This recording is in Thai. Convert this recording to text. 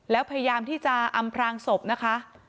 แล้วพยายามที่จะอำพรางศพนะคะ